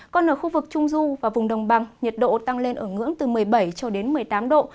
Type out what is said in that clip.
còn ở khu vực trung du và vùng đồng bằng nhiệt độ tăng lên ở ngưỡng từ một mươi bảy cho đến một mươi tám độ